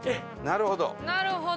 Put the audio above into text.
なるほど。